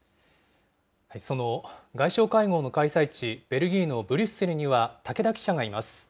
その外相会合の開催地、ベルギーのブリュッセルには、竹田記者がいます。